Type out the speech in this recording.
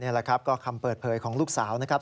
นี่แหละครับก็คำเปิดเผยของลูกสาวนะครับ